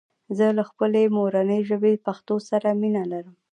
زه له خپلي مورني ژبي پښتو سره مينه لرم